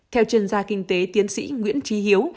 theo chuyên gia kinh tế tiến sĩ nguyễn trí hiếu